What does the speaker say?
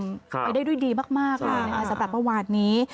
ไปได้ด้วยดีมากเลยนะคะสำหรับเมื่อวานนี้